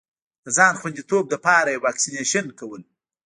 د ځان خوندیتوب لپاره یې واکسېنېشن کول.